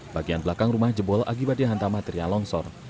bagian belakang rumah jebol akibat dihantam material longsor